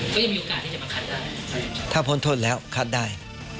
ก็ยังมีโอกาสที่จะมาคัดได้ถ้าพ้นโทษแล้วคัดได้